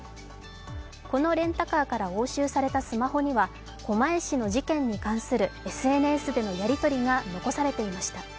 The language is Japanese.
このレンタカーから押収されたスマホには狛江市の事件に関するＳＮＳでのやり取りが残されていました。